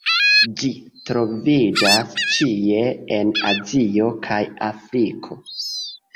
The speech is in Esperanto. Ĝi troviĝas ĉie en Azio kaj Afriko.